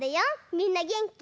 みんなげんき？